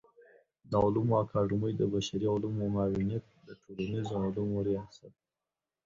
د علومو اکاډمۍ د بشري علومو معاونيت د ټولنيزو علومو ریاست